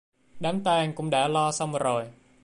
Đám tang cũng đã lo xong rồi